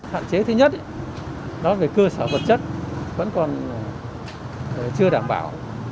hạn chế thứ nhất đó về cơ sở vật chất vẫn còn chưa đảm bảo